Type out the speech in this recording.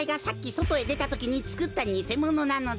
そとへでたときにつくったにせものなのだ。